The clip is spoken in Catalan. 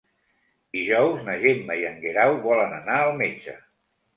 Dijous na Gemma i en Guerau volen anar al metge.